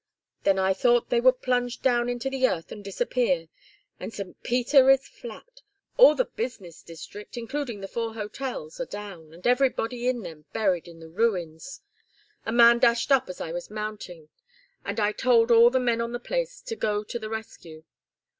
Then I thought they would plunge down into the earth and disappear. And St. Peter is flat. All the business district, including the four hotels, are down, and everybody in them buried in the ruins. A man dashed up as I was mounting, and I told all the men on the place to go to the rescue.